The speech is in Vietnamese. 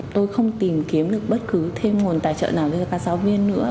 tôi không tìm kiếm được bất cứ thêm nguồn tài trợ nào cho các giáo viên nữa